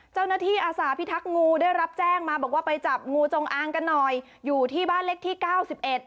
อาสาพิทักษ์งูได้รับแจ้งมาบอกว่าไปจับงูจงอางกันหน่อยอยู่ที่บ้านเล็กที่เก้าสิบเอ็ด